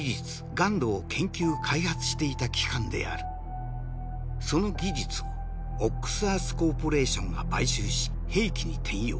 ＧＵＮＤを研究・開発していた機関であるその技術を「オックス・アース・コーポレーション」が買収し兵器に転用。